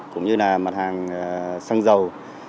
cũng như là mặt hàng xăng dầu